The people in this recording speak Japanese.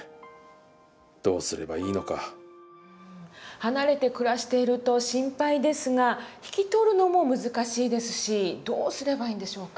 離れて暮らしていると心配ですが引き取るのも難しいですしどうすればいいんでしょうか。